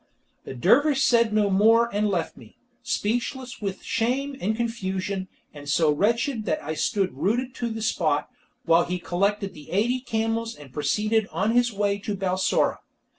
The dervish said no more and left me, speechless with shame and confusion, and so wretched that I stood rooted to the spot, while he collected the eighty camels and proceeded on his way to Balsora.